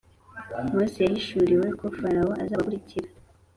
mose yahishuriwe ko farawo azabakurikira,